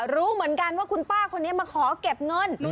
รู้เหมือนกันว่าคุณป้าคนนี้มาขอเก็บเงิน